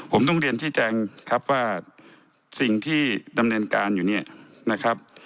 ผมต้องเรียนชี้แจงครับว่าสิ่งที่ดำเนินการอยู่เนี่ยนะครับ